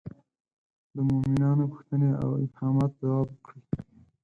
د مومنانو پوښتنې او ابهامات ځواب کړي.